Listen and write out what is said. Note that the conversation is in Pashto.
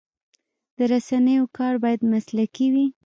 د رسنیو کار باید مسلکي وي.